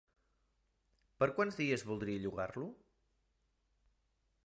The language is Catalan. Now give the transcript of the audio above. Per quants dies voldria llogar-lo?